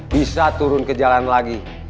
bisa turun ke jalan lagi